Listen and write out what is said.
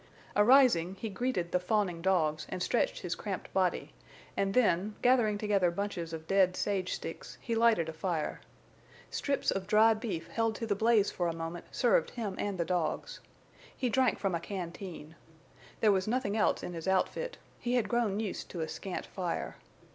Arising, he greeted the fawning dogs and stretched his cramped body, and then, gathering together bunches of dead sage sticks, he lighted a fire. Strips of dried beef held to the blaze for a moment served him and the dogs. He drank from a canteen. There was nothing else in his outfit; he had grown used to a scant fire.